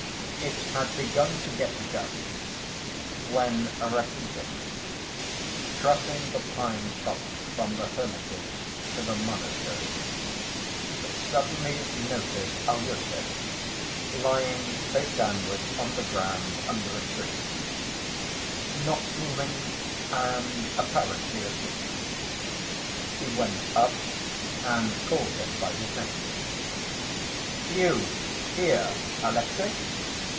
It had begun to get dusk when Rakitin, crossing the pine copse from the hermitage to the monastery, suddenly noticed Alyosha, lying face downwards on the ground under a tree, not moving and apparently asleep. He went up and called him by his name. "You here, Alexey?